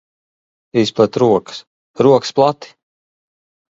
Izplet rokas. Rokas plati!